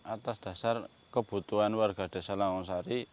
atas dasar kebutuhan warga desa langgong sari